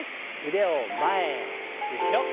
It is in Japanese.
腕を前後ろ。